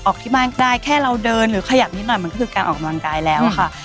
ออกที่บ้านก็ได้แค่เราเดินหรือขยับนิดหน่อยมันก็คือการออกกำลังกายแล้วค่ะ